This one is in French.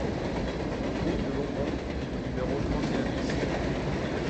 Route de Lombron au numéro trente et un BIS